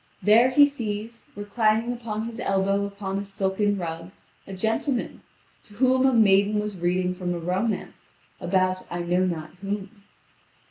There he sees, reclining upon his elbow upon a silken rug, a gentleman, to whom a maiden was reading from a romance about I know not whom.